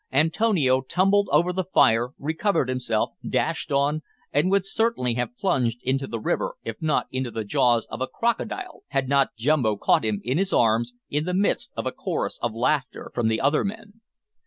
Antonio tumbled over the fire, recovered himself, dashed on, and would certainly have plunged into the river, if not into the jaws of a crocodile, had not Jumbo caught him in his arms, in the midst of a chorus of laughter from the other men.